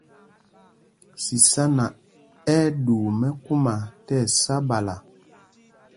Sisana ɛ́ ɛ́ ɗuu mɛkúma tí ɛsá ɓala.